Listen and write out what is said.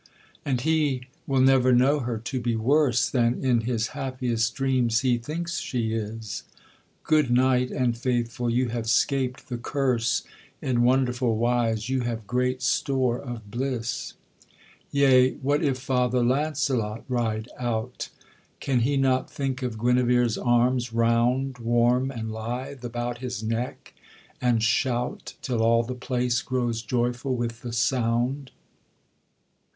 And he will never know her to be worse Than in his happiest dreams he thinks she is: Good knight, and faithful, you have 'scaped the curse In wonderful wise; you have great store of bliss. Yea, what if Father Launcelot ride out, Can he not think of Guenevere's arms, round Warm and lithe, about his neck, and shout Till all the place grows joyful with the sound?